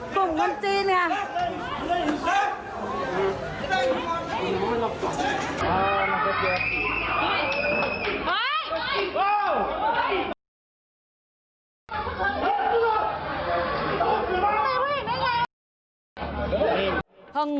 กลุ่มยนต์จีนค่ะ